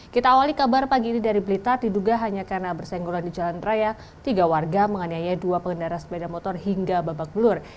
kita awali kabar pagi ini dari blitar diduga hanya karena bersenggolan di jalan raya tiga warga menganiaya dua pengendara sepeda motor hingga babak belur